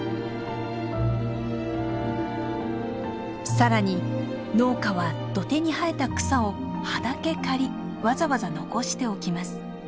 さらに農家は土手に生えた草を葉だけ刈りわざわざ残しておきます。